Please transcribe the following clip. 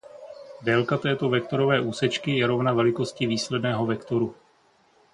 Délka této vektorové úsečky je rovna velikosti výsledného vektoru.